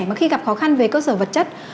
mà khi gặp khó khăn về cơ sở vật chất